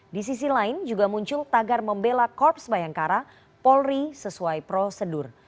di sisi lain juga muncul tagar membela korps bayangkara polri sesuai prosedur